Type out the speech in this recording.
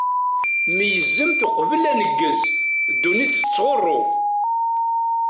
Meyyzemt uqbel aneggez, ddunit tettɣuṛṛu!